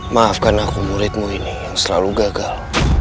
maafkan aku muridmu ini yang selalu gagal